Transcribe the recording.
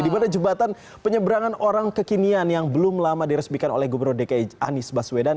di mana jembatan penyeberangan orang kekinian yang belum lama diresmikan oleh gubernur dki anies baswedan